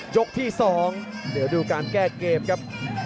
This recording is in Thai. ยกที่๒เดี๋ยวดูการแก้เกมครับ